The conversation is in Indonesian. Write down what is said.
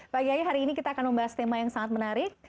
pak kiai hari ini kita akan membahas tema yang sangat menarik